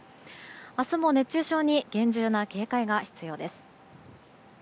明日も熱中症に厳重な警戒が必要です。